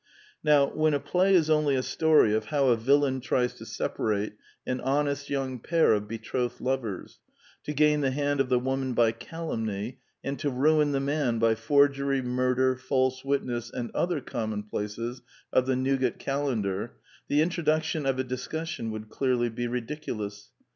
Now when a play is only a story of how a vil The Technical Novelty 215 lain tries to separate an honest young pair of betrothed lovers ; to gain the hand of the woman by calumny; and to ruin the man by forgery, murder, false witness, and other commonplaces of the Newgate Calendar, the introduction of a discussion would clearly be ridiculous.